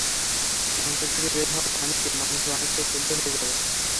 মাংস থেকে বের হওয়া পানিতে মাংস অনেকটাই সেদ্ধ হয়ে যাবে।